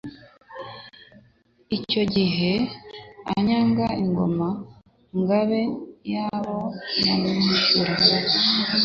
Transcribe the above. Icyo gihe anyaga Ingoma-ngabe yabo Nyamwishyura.